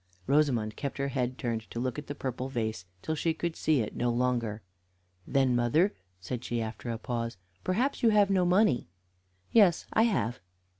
Rosamond kept her head turned to look at the purple vase, till she could see it no longer. "Then, mother," said she, after a pause, "perhaps you have no money." "Yes, I have."